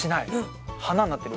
花になってる？